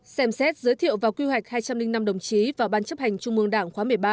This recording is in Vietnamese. xem xét giới thiệu và quy hoạch hai trăm linh năm đồng chí vào ban chấp hành trung mương đảng khóa một mươi ba